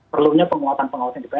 perlunya penguatan pengawasan dpr